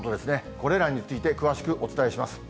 これらについて詳しくお伝えします。